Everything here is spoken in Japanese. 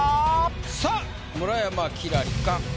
さあ村山輝星か？